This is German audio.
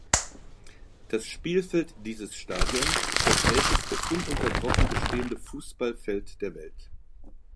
Das Spielfeld dieses Stadions ist das älteste ununterbrochen bestehende Fußballfeld der Welt.